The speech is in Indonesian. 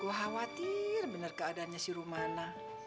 gua khawatir bener keadaannya si rumana